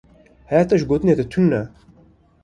Hayê te ji gotinên te tune.